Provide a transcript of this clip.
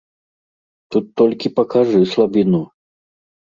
Тут толькі пакажы слабіну.